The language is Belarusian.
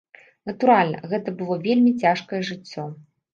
Натуральна, гэта было вельмі цяжкае жыццё.